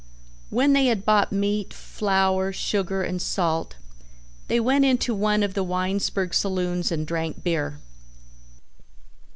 When they had bought meat, flour, sugar, and salt, they went into one of the Winesburg saloons and drank beer.